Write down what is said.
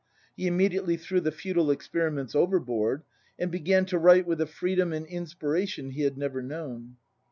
He immediately threw the futile experiments overboard, and began to write with a freedom and inspiration he had never known.